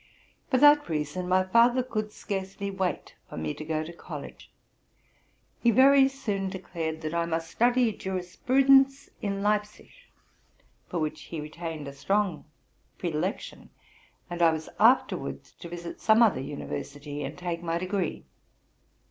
For that reason, my father could scarcely wait for me to go to college. He very soon declared that I must study jurisprudence in "Leipzig, for which he retained a strong predilection; and I was afterwards to visit some other university and take my degree.